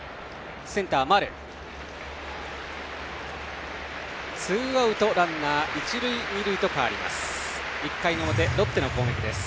センター、丸がとってツーアウト、ランナー一塁二塁と変わります。